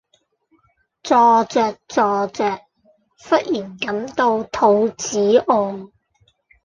坐著坐著忽然感到肚子餓